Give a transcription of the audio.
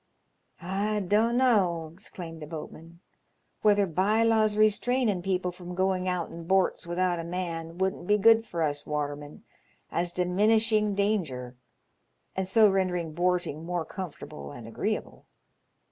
" I dun'no," exclaimed a boatman, "whether bye laws restrainin' people from going out in borts without a man wouldn't be good for us watermen, as diminishing danger, and so rendering borting more comfortable and agreeable.